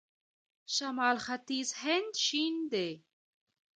شمال ختیځ هند شین دی.